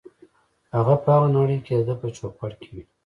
هغه په هغه نړۍ کې دده په چوپړ کې وي.